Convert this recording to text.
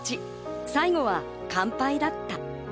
最後は完敗だった。